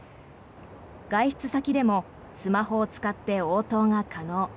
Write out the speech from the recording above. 外出先でもスマホを使って応答が可能。